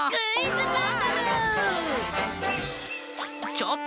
ちょっと。